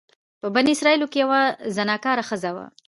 په بني اسرائيلو کي يوه زناکاره ښځه وه،